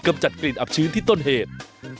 จัดกลิ่นอับชื้นที่ต้นเหตุ